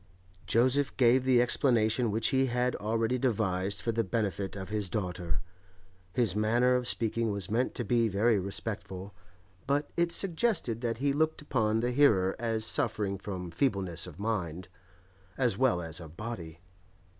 Joseph gave the explanation which he had already devised for the benefit of his daughter. His manner of speaking was meant to be very respectful, but it suggested that he looked upon the hearer as suffering from feebleness of mind, as well as of body.